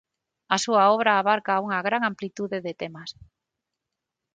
A súa obra abarca unha gran amplitude de temas.